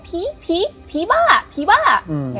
ผีภี้ภีร์บ้า